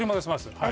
はい。